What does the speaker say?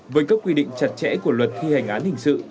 với các quy định chặt chẽ của luật thi hành án hình sự